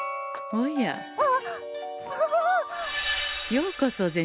ようこそ銭